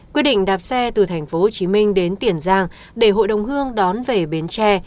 quyết định đạp xe từ tp hcm đến tiền giang để hội đồng hương đón về bến tre